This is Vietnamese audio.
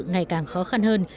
ngày càng khó khăn hơn